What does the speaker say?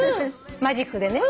マジックでね。